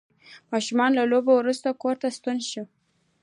ماشوم له لوبو وروسته کور ته ستون شو